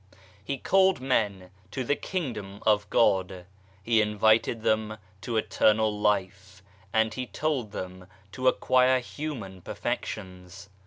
He called men to the Kingdom of God, He invited them to Eternal Life and He told them to acquire human perfections.